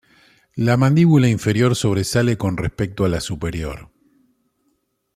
La mandíbula inferior sobresale con respecto a la superior.